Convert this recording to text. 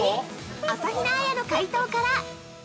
朝比奈彩の解答から。